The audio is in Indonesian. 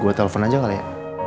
gue telepon aja kali ya